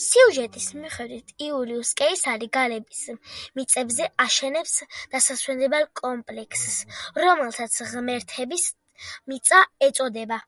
სიუჟეტის მიხედვით, იულიუს კეისარი გალების მიწებზე აშენებს დასასვენებელ კომპლექსს, რომელსაც „ღმერთების მიწა“ ეწოდება.